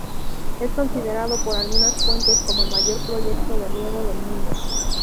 Es considerado por algunas fuentes como el mayor proyecto de riego del mundo.